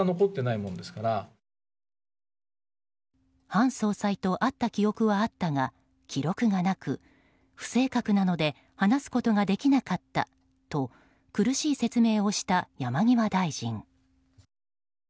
韓総裁と会った記憶はあったが記録がなく不正確なので話すことができなかったと苦しい説明をした山際大臣。